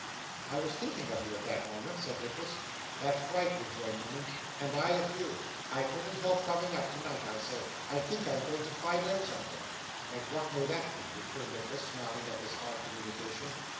'I was thinking of you, at that moment,' said Nicholas. 'That's right,' rejoined Newman, 'and I of you. I couldn't help coming up, tonight. I say, I think I am going to find out something.' 'And what may that be?' returned Nicholas, smiling at this odd communication.